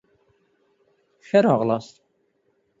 ښه راغلاست